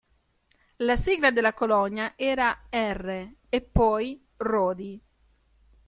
La sigla della colonia era "R" e poi "Rodi".